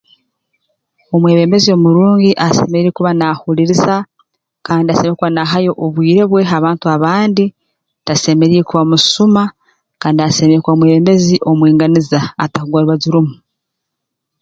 Omwebembezi omurungi asemeriire kuba naahuliriza kandi asemeriire kuba naahayo obwire bwe ha bantu abandi tasemeriire kuba musuma kandi asemeriire kuba mwebembezi omwinganiza atakugwa rubaju rumu